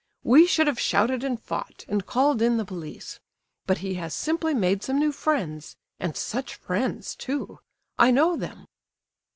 We should have shouted and fought, and called in the police. But he has simply made some new friends—and such friends, too! I know them!"